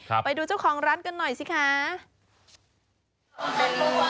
ครับไปดูเจ้าของร้านกันหน่อยสิค่ะเป็นนมสดนะคะที่ทำกับน้ำแข็งรวมกัน